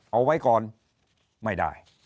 เอาไว้ก่อนไม่ได้